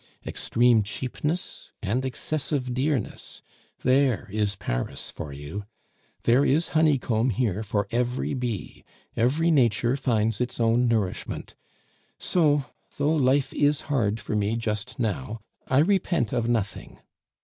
Extreme cheapness and excessive dearness there is Paris for you; there is honeycomb here for every bee, every nature finds its own nourishment. So, though life is hard for me just now, I repent of nothing.